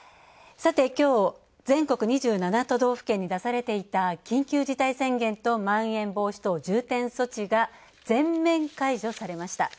さて、きょう、全国２７都道府県に出されていた緊急事態宣言とまん延防止等重点措置が全面解除されました。